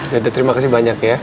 ya terima kasih banyak ya